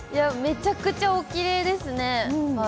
めちゃくちゃおきれいですね。